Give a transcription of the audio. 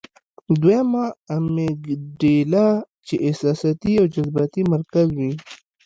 دويمه امېګډېلا چې احساساتي او جذباتي مرکز وي -